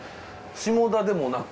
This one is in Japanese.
下田でもなく。